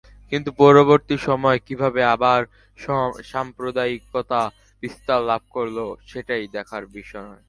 কিন্তু পরবর্তী সময়ে কীভাবে আবার সাম্প্রদায়িকতা বিস্তার লাভ করল, সেটাই দেখার বিষয়।